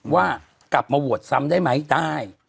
ว่ากลับมาโหวตซ้ำได้ไหมได้